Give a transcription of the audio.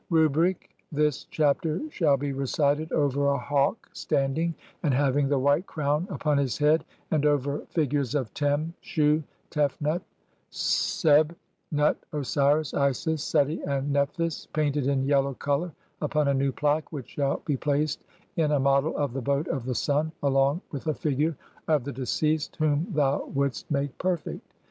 Rubric : <i 4 ) [this chapter] shall be recited over a hawk, stand ing AND HAVING THE WHITE CROWN UPON HIS HEAD, [AND OVER FI GURES OF] TEM, SHU, TEFNUT, SEB, NUT, OSIRIS, ISIS, SUTI, AND NEPHTHYS PAINTED IN YELLOW COLOUR (l5) UPON A NEW PLAQUE, WHICH SHALL HE PLACED IN [A MODEL OF] THE BOAT [OF THE SUN], ALONG WITH A FIGURE OF THE DECEASED WHOM THOU WOULDST MARE PERFECT.